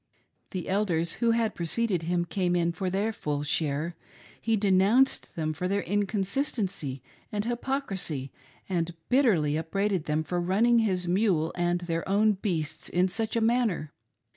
The Elders who had preceded him came in for their full share ; hp denounced them for their inconsistency and hypocrisy, and bitterly upbraided then! for running his mule and their own beasts in such a manner.